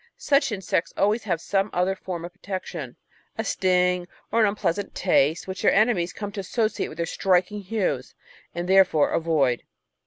Such insects always have some other form of protection, a sting or an unpleasant taste, which their enemies come to associate with their striking hues and therefore avoid.